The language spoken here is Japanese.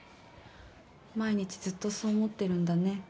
毎日ずっとそう思ってるんだね。